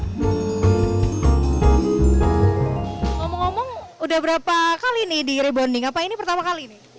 ngomong ngomong udah berapa kali nih di rebonding apa ini pertama kali nih